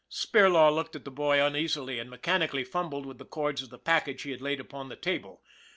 Spirlaw looked at the boy uneasily, and mechan ically fumbled with the cords of the package he had laid upon the table.